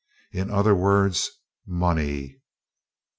In other words MONEY!"